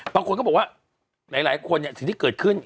บางคนก็บอกว่าหลายคนเนี่ยสิ่งที่เกิดขึ้น